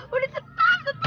udah tetap tetap